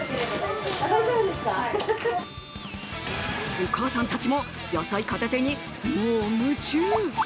お母さんたちも野菜片手にもう夢中。